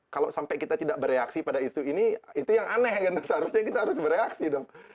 kalau sampai kita tidak bereaksi pada isu ini itu yang aneh kan seharusnya kita harus bereaksi dong